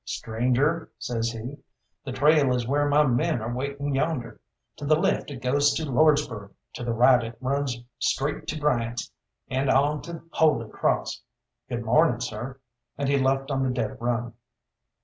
"Stranger," says he, "the trail is where my men are waiting yonder. To the left it goes to Lordsburgh, to the right it runs straight to Bryant's and on to Holy Cross. Good morning, sir," and he left on the dead run.